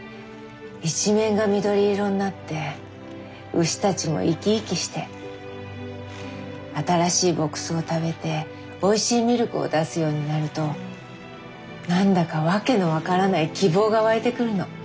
一面が緑色になって牛たちも生き生きして新しい牧草を食べておいしいミルクを出すようになると何だか訳の分からない希望が湧いてくるの。